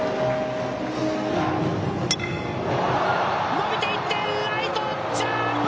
伸びていって、ライト、ジャンプ！